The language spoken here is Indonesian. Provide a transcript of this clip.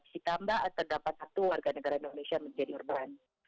jika mbak terdapat satu warga negara indonesia menjadi korban